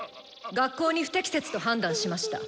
学校に不適切と判断しました。